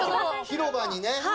広場にね。